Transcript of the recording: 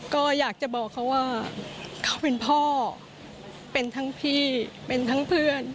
ก็อยากจะบอกเขาว่าเขาเป็นพ่อเป็นทั้งพี่เป็นทั้งเพื่อน